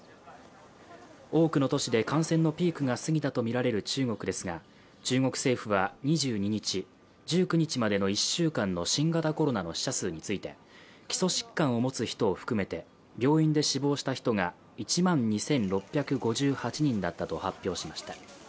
多くの都市で感染のピークが過ぎたとみられる中国政府は２２日、１９日までの１週間の新型コロナの死者数について基礎疾患を持つ人を含めて病院で死亡した人が１万２６５８人だったと発表しました。